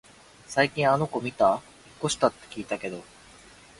最近あの子みた？引っ越したって聞いたけど